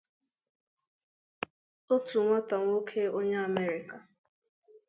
otu nwata nwoke onye Amerịka